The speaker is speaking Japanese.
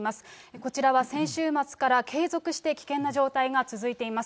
こちらは先週末から継続して危険な状態が続いています。